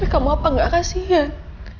tapi kamu apa gak kasihan